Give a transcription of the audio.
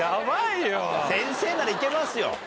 先生なら行けますよ。